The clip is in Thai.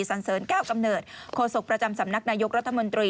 สันเสริญแก้วกำเนิดโฆษกประจำสำนักนายกรัฐมนตรี